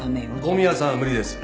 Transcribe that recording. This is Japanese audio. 小宮さんは無理です。